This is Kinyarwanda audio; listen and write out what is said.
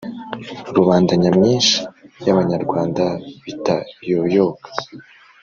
rubanda nyamwinshi y'abanyarwanda bitayoyoka.